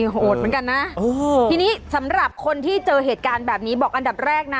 โหดเหมือนกันนะทีนี้สำหรับคนที่เจอเหตุการณ์แบบนี้บอกอันดับแรกนะ